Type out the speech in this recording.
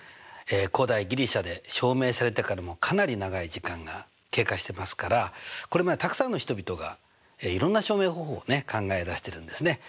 古代ギリシャで証明されてからかなり長い時間が経過してますからこれまでたくさんの人々がいろんな証明方法を考え出してるんですね。